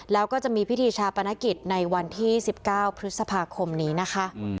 แล้วก็จะมีพิธีชาปนกิจในวันที่๑๙พฤษภาคมนี้นะคะ